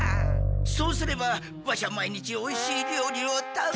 そうすればワシは毎日おいしい料理を食べ。